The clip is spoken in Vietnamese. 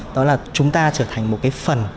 đó là chúng ta trở thành một cái phần